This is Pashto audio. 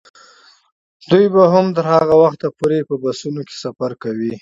دوی به تر هغه وخته پورې په بسونو کې سفر کوي.